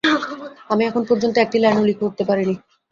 আমি এখন পর্যন্ত একটি লাইনও লিখে উঠতে পারিনি।